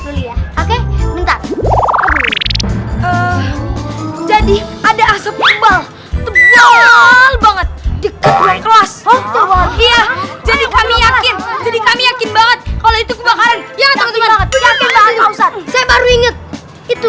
jadi kami yakin jadi kami yakin banget kalau itu